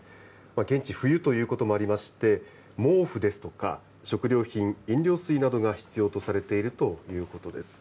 現地、冬ということもありまして、毛布ですとか食料品、飲料水などが必要とされているということです。